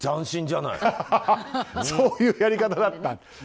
そういうやり方だったと。